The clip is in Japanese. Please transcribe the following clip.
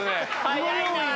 早いなぁ。